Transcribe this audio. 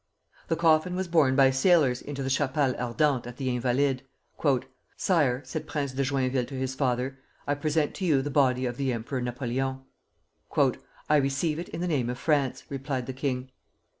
The coffin was borne by sailors into the Chapelle Ardente at the Invalides. "Sire," said Prince de Joinville to his father, "I present to you the body of the Emperor Napoleon." "I receive it in the name of France," replied the king.